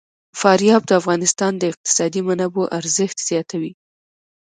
فاریاب د افغانستان د اقتصادي منابعو ارزښت زیاتوي.